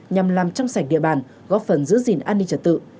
nhằm làm trong sạch địa bàn góp phần giữ gìn an ninh trật tự